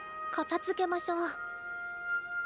片づけましょう。